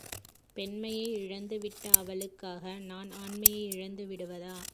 பெண்மையை இழந்துவிட்ட அவளுக்காக, நான் ஆண்மையை இழந்து விடுவதா?